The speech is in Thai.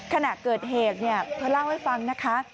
ขณะเกิดเหตุเธอเล่าให้ฟังนะคะ